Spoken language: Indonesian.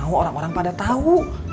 soalnya maeros gak mau orang orang tau